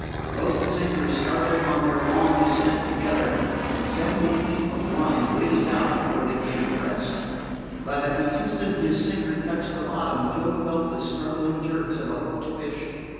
Both sinkers started on their long descent together, and seventy feet of line whizzed out before they came to rest. But at the instant his sinker touched the bottom Joe felt the struggling jerks of a hooked fish.